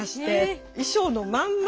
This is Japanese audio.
えっ！？衣装のまんま